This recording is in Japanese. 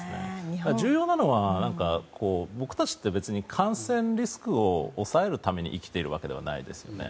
重要なのは、僕たちって別に感染リスクを抑えるために生きているわけではないですよね。